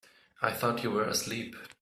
I thought you were asleep.